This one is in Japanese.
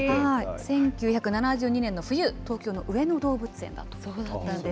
１９７２年の冬、東京の上野動物園だということです。